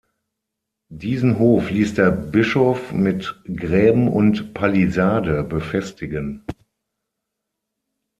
Diesen Hof ließ der Bischof mit Gräben und Palisade befestigen.